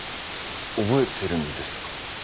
覚えてるんですか？